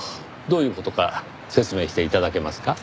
どういう事か説明して頂けますか？